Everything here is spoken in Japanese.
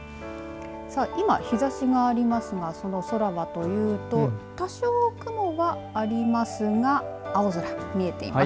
今、日ざしがありますがその空はというと多少、雲はありますが青空、見えています。